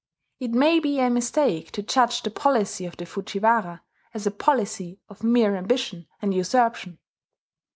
It may be a mistake to judge the policy of the Fujiwara as a policy of mere ambition and usurpation.